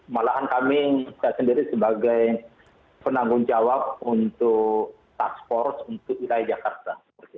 malahan kami saya sendiri sebagai penanggung jawab untuk task force untuk wilayah jakarta